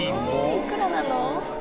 「いくらなの？」